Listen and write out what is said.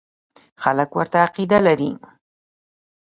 خلک ورته عقیده لري.